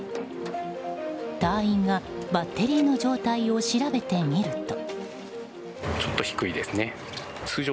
隊員がバッテリーの状態を調べてみると。